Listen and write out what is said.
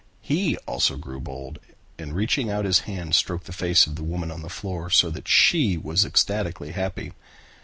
He also grew bold and reaching out his hand stroked the face of the woman on the floor so that she was ecstatically happy.